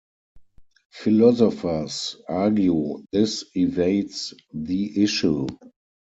Philosophers argue this evades the issue.